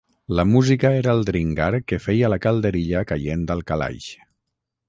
La música era el dringar que feia la calderilla caient al calaix